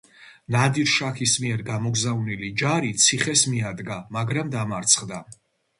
ნადირ-შაჰის მიერ გამოგზავნილი ჯარი ციხეს მიადგა, მაგრამ დამარცხდა.